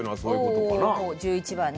１１番ね。